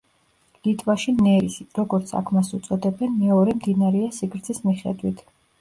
ლიტვაში ნერისი, როგორც აქ მას უწოდებენ, მეორე მდინარეა სიგრძის მიხედვით.